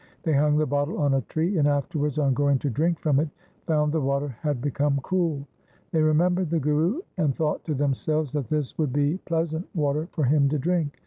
They hung the bottle on a tree, and afterwards, on going to drink from it, found the water had become cool. They remembered the Guru and thought to themselves that this would be pleasant water for him to drink.